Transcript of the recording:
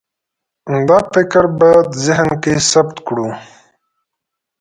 دا فکر باید ذهن کې ثبت کړو.